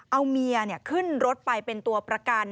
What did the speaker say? เอาเมียขึ้นรถไปเป็นตัวประกัน